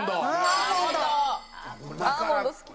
アーモンド好き。